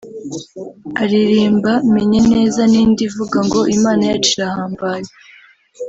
aririmba Menye neza n'indi ivuga ngo Imana yacu irahambaye